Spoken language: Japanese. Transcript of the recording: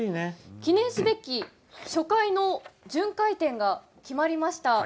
記念すべき初回の巡回展が決まりました。